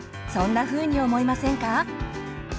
そんなふうに思いませんか？